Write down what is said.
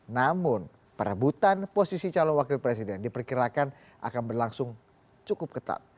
namun perebutan posisi calon wakil presiden diperkirakan akan berlangsung cukup ketat